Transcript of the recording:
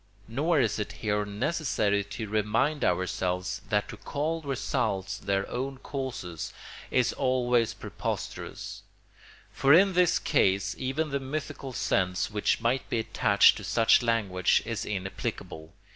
Nor is it here necessary to remind ourselves that to call results their own causes is always preposterous; for in this case even the mythical sense which might be attached to such language is inapplicable.